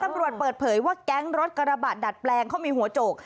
ตำรวจเปิดเผยว่าแก๊งรถกระบะดัดแปลงเขามีหัวโจก